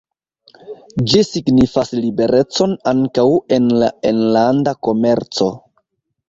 Ĝi signifas liberecon ankaŭ en la enlanda komerco.